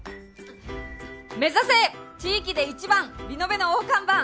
目指せ地域で一番リノベの大看板。